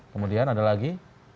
kemudian ada lagi